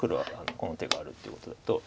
この手があるっていうことだと。